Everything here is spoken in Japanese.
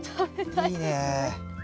いいねぇ。